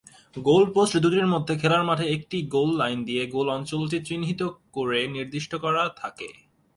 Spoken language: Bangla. গোল পোস্ট দুটির মধ্যে খেলার মাঠে একটি "গোল লাইন" দিয়ে গোল অঞ্চলটি চিহ্নিত ক'রে নির্দিষ্ট করা থাকে।